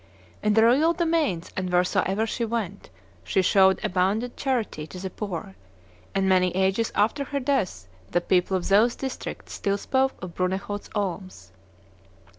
In the royal domains and wheresoever she went she showed abundant charity to the poor, and many ages after her death the people of those districts still spoke of Brunehaut's alms.